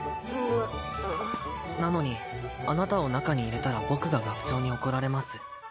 むなのにあなたを中に入れたら僕が学長に怒られます